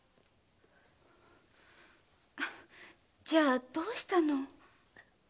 じゃあどうしたの？